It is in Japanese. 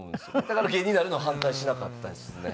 だから芸人になるの反対しなかったですね。